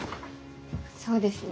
そうですね。